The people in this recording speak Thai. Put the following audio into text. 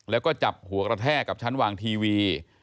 แล้วก็จับหัวกระแทกกับชั้นวางทีวี